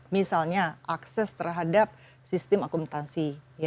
misalnya akses terhadap sistem akumulasi